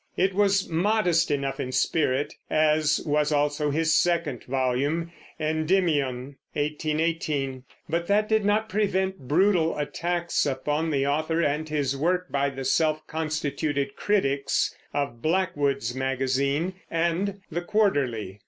It was modest enough in spirit, as was also his second volume, Endymion (1818); but that did not prevent brutal attacks upon the author and his work by the self constituted critics of Blackwood's Magazine and the Quarterly.